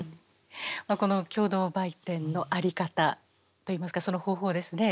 この共同売店の在り方といいますかその方法ですね